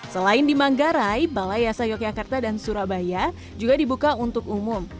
selain di manggarai balai yasa yogyakarta dan surabaya juga dibuka untuk umum